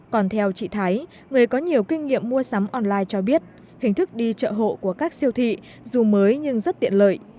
còn theo chị thái người có nhiều kinh nghiệm mua sắm online cho biết hình thức đi chợ hộ của các siêu thị dù mới nhưng rất tiện lợi